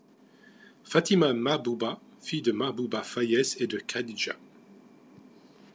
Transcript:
Fatima Mahbouba fille de Mahbouba Fayez et de Khadija.